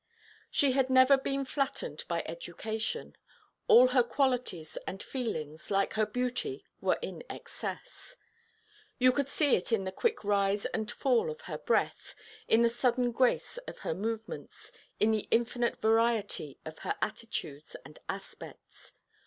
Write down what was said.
She had never been flattened by education: all her qualities and feelings, like her beauty, were in excess. You could see it in the quick rise and fall of her breath, in the sudden grace of her movements, in the infinite variety of her attitudes and aspects.